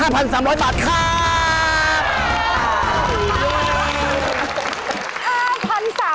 ๓๐๐บาทครับ